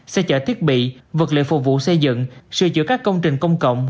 xe chở thiết bị vật lệ phụ vụ xây dựng sửa chữa các công trình công cộng